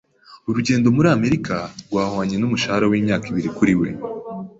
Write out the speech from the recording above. Urugendo muri Amerika rwahwanye n'umushahara w'imyaka ibiri kuri we.